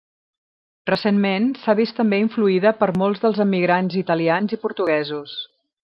Recentment, s'ha vist també influïda per molts dels emigrants italians i portuguesos.